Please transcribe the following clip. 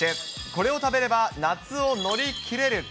これを食べれば夏を乗り切れる。